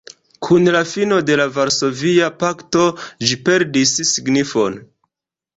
Kun la fino de la Varsovia pakto ĝi perdis signifon.